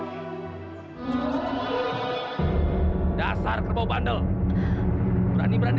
ini urusanku dengan suamimu pergi